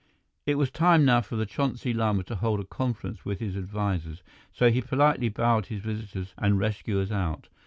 It was time now for the Chonsi Lama to hold a conference with his advisers, so he politely bowed his visitors and rescuers out.